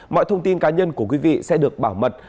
mọi thông tin cá nhân của quý vị sẽ được bảo mật